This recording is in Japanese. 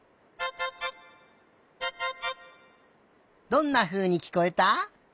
どんなふうにきこえた？